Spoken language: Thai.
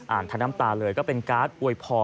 ทั้งน้ำตาเลยก็เป็นการ์ดอวยพร